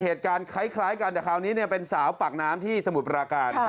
เหตุการณ์คล้ายกันแต่คราวนี้เป็นสาวปากน้ำที่สมุทรปราการ